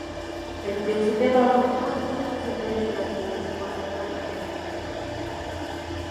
El príncipe Eduardo no pudo estar presente en el nacimiento por ser tan repentino.